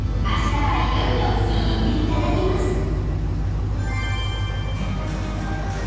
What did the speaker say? ［あしたはいよいよ握っていただきます］